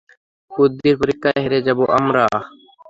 বুদ্ধির পরীক্ষায় হেরে যাব আমরা।